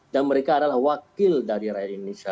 dan mereka adalah wakil dari rakyat indonesia